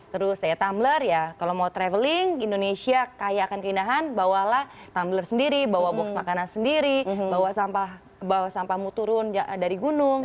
terus kayak tumbler ya kalau mau traveling indonesia kaya akan keindahan bawalah tumbler sendiri bawa box makanan sendiri bawa sampah bawa sampahmu turun dari gunung